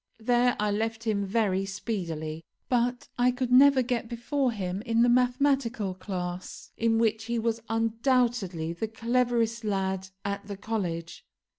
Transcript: There I left him very speedily; but I could never get before him in the mathematical class, in which he was undoubtedly the cleverest lad at the college.